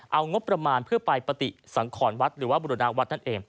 เอางบประมาณเพื่อไปปฏิสังขรวัดหรือว่าบุรณวัดนั่นเอง